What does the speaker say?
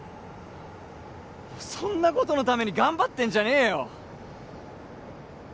そんなことのために頑張ってんじゃねえよ